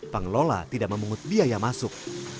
pengelola tidak memungut biaya masuk